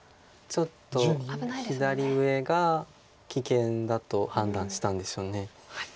ちょっと左上が危険だと判断したんでしょう。